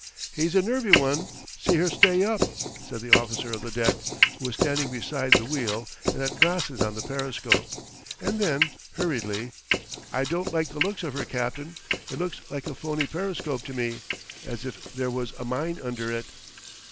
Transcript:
"He's a nervy one see her stay up!" said the officer of the deck, who was standing beside the wheel, and had glasses on the periscope. And then, hurriedly: "I don't like the looks of her, captain it looks like a phony periscope to me as if there was a mine under it!"